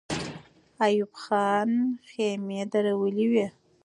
ایوب خان خېمې درولې وې.